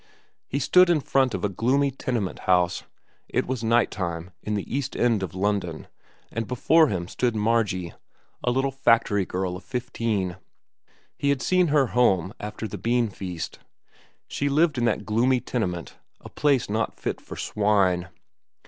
He stood in front of a gloomy tenement house. It was night time, in the East End of London, and before him stood Margey, a little factory girl of fifteen. He had seen her home after the bean feast. She lived in that gloomy tenement, a place not fit for swine.